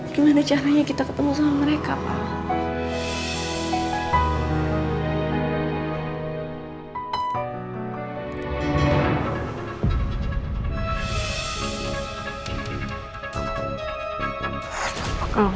gimana caranya kita ketemu sama mereka pak